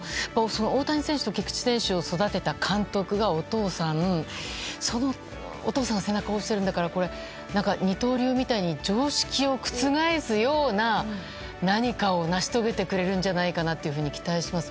大谷選手と菊池選手を育てた監督がお父さんでそのお父さんが背中を押しているんだから二刀流みたいに常識を覆すような何かを成し遂げてくれるんじゃないかなと期待してます。